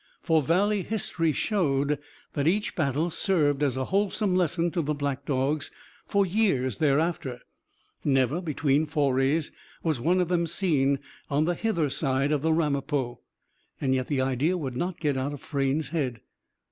For Valley history showed that each battle served as a wholesome lesson to the black dogs for years thereafter. Never, between forays, was one of them seen on the hither side of the Ramapo. Yet the idea would not get out of Frayne's head.